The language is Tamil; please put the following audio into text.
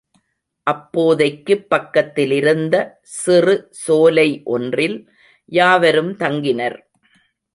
அப்போதைக்குப் பக்கத்திலிருந்த சிறு சோலை ஒன்றில் யாவரும் தங்கினர்.